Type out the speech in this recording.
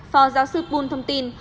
phò giáo sư poon thông tin